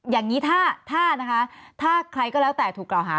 อย่างนี้ถ้าใครก็แล้วแต่ถูกกล่าวหา